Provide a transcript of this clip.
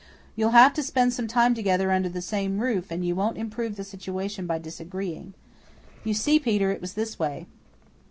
"You'll have to spend some time together under the same roof and you won't improve the situation by disagreeing. You see, Peter, it was this way.